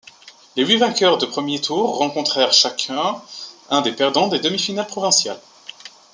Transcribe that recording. Les huit vainqueurs du premier tour rencontrent chacun un des perdants des demi-finales provinciales.